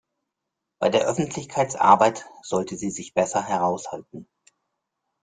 Bei der Öffentlichkeitsarbeit sollte sie sich besser heraushalten.